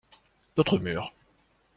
Notre mur.